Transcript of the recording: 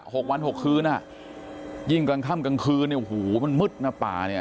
หกวันหกคืนอ่ะยิ่งกลางค่ำกลางคืนเนี่ยโอ้โหมันมืดนะป่าเนี่ย